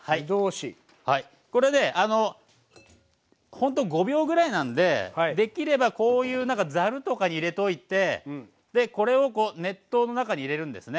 これねほんと５秒ぐらいなんでできればこういうざるとかに入れといてこれをこう熱湯の中に入れるんですね。